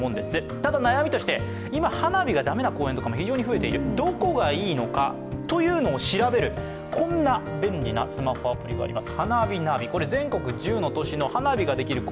ただ、悩みとして、今、花火が駄目な公園も非常に増えている、どこがいいのかというのを調べるこんな便利なスマホアプリがあります。